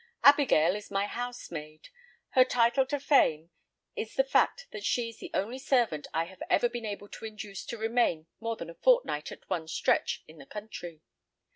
Abigail is my housemaid; her title to fame is the fact that she is the only servant I have ever been able to induce to remain more than a fortnight at one stretch in the country.